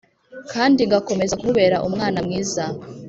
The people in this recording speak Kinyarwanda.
kandi ngakomeza kumubera umwana mwiza."